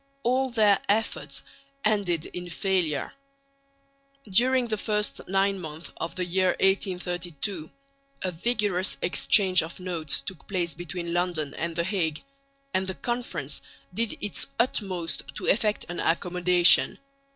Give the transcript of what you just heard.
All their efforts ended in failure. During the first nine months of the year 1832 a vigorous exchange of notes took place between London and the Hague; and the Conference did its utmost to effect an accommodation.